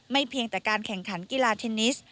เพียงแต่การแข่งขันกีฬาเทนนิส